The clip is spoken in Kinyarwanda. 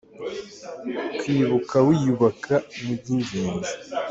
kwibuka wiyubaka nibyingenzi